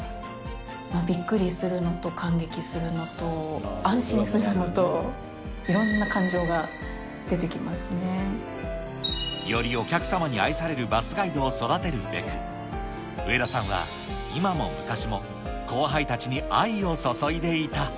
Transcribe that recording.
びっくりするのと感激するのと、安心するのと、よりお客様に愛されるバスガイドを育てるべく、植田さんは今も昔も、後輩たちに愛を注いでいた。